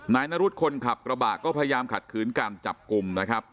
นายนรุษคนขับกระบะก็พยายามขัดขืนการจับกลุ่มนะครับ